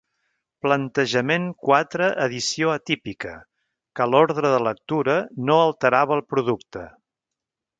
Plantejament quatre edició atípica, que l'ordre de lectura no alterava el producte.